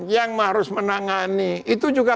yang harus menangani itu juga